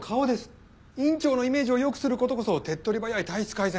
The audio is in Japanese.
院長のイメージを良くする事こそ手っ取り早い体質改善。